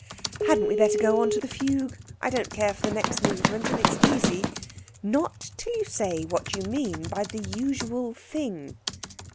"Hadn't we better go on to the fugue? I don't care for the next movement, and it's easy " "Not till you say what you mean by 'the usual thing.'"